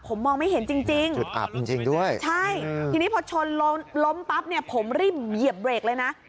ผมมองไม่เห็นจริงใช่ทีนี้พดชนล้มปั๊บเนี่ยผมรีบเหยียบเบรกเลยนะ